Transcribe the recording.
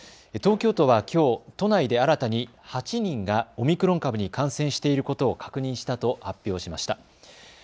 東京都はきょう都内で新たに８人がオミクロン株に感染していることを確認したと発表しました。